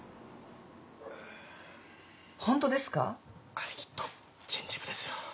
あれきっと人事部ですよ。